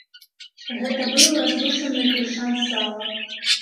Гэта быў раздушаны крышан сала.